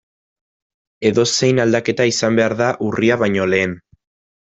Edozein aldaketa izan behar da urria baino lehen.